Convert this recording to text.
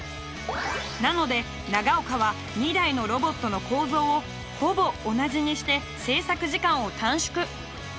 なので長岡は２台のロボットの構造をほぼ同じにして製作時間を短縮。